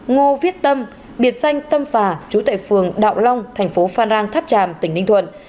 ngô viết tâm biệt danh tâm phà chú tệ phường đạo long thành phố phan rang tháp tràm tỉnh ninh thuận